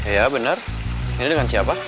ya benar ini dengan siapa